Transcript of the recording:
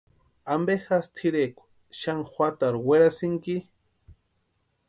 ¿Ampe jásï tʼirekwa xani juatarhu werasïnki?